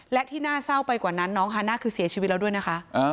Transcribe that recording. และที่น่าเศร้าไปกว่านั้นน้องฮาน่าคือเสียชีวิตแล้วด้วยนะคะ